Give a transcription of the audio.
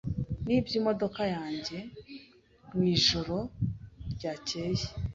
Nibye imodoka yanjye mwijoro ryakeye.